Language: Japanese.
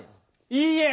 いいえ。